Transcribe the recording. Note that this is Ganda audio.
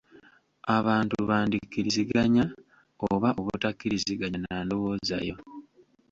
Abantu bandi kkiriziganya oba obutakkiriziganya na ndowooza yo.